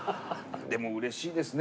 でもうれしいですね。